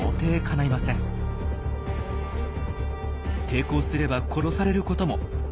抵抗すれば殺されることも。